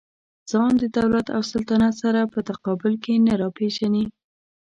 ځان د دولت او سلطنت سره په تقابل کې نه راپېژني.